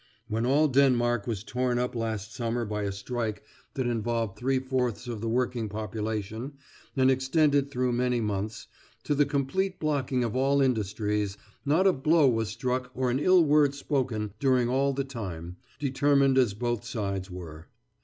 When all Denmark was torn up last summer by a strike that involved three fourths of the working population and extended through many months, to the complete blocking of all industries, not a blow was struck or an ill word spoken during all the time, determined as both sides were.